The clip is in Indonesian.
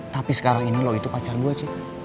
tapi sekarang ini lo itu pacar gue c